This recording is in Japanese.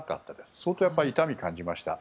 相当、痛みを感じました。